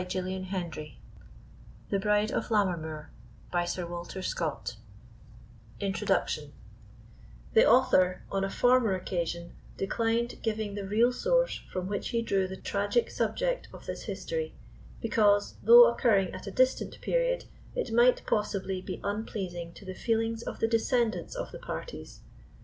[Illustration: cover] INTRODUCTION TO THE BRIDE OF LAMMERMOOR The author, on a former occasion, declined giving the real source from which he drew the tragic subject of this history, because, though occurring at a distant period, it might possibly be unpleasing to the feelings of the descendants of the parties.